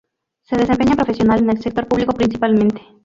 Se desempeña profesional en el sector público principalmente.